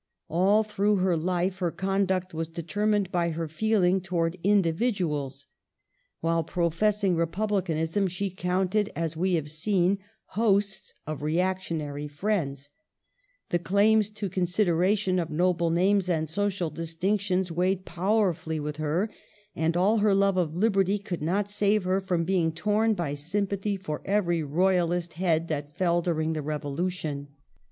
All through her life her conduct was determined by her feeling towards individuals. While professing republicanism she counted, as we have seen, hosts of reactionary friends ; the claims to consideration of noble names and social distinctions weighed powerfully with her; and all her love of liberty could not save her from being torn by sympathy for every Royalist head that fell during the Revolution.